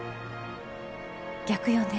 逆よね？